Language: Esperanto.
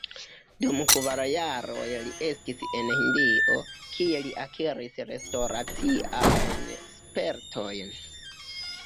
Dum kvar jaroj li estis en Hindio, kie li akiris restoraciajn spertojn.